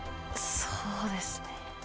そうですね。